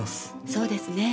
そうですね。